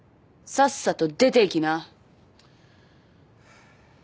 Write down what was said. さっさと出ていきな。